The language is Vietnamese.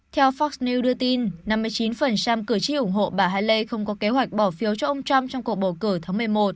theo fork new đưa tin năm mươi chín cử tri ủng hộ bà haley không có kế hoạch bỏ phiếu cho ông trump trong cuộc bầu cử tháng một mươi một